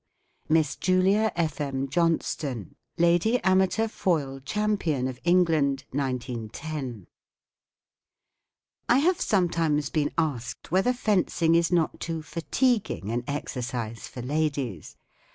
MISS JULIA F* M. JOHNSTONE, Lady Amateur Foil Champion of England, 1910. I have sometimes been asked whether fencing is not too fatiguing an exercise for ladies.